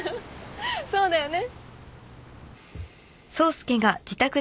そうだよね。